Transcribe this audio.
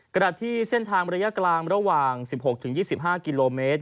ขณะที่เส้นทางระยะกลางระหว่าง๑๖๒๕กิโลเมตร